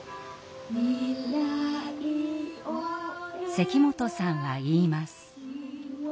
関本さんは言います。